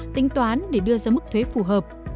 tính toán để đưa ra mức thuế phù hợp